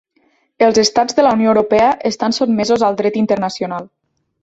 Els estats de la Unió Europea estan sotmesos al dret internacional.